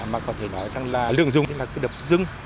mà có thể nói rằng là lượng dùng là cái đập dưng